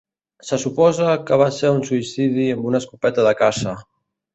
Se suposa que va ser un suïcidi amb una escopeta de caça.